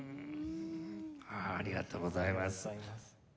ありがとうございます。